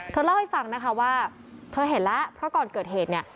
เธอเล่าให้ฟังนะคะว่าเธอเห็นแล้วเพราะก่อนเกิดเหตุเนี่ย